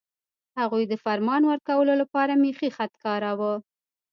هغوی د فرمان ورکولو لپاره میخي خط کاراوه.